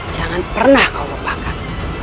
jangan pernah kau lupakan